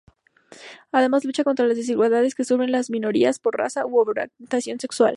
Además lucha contra las desigualdades que sufren las minorías por raza u orientación sexual.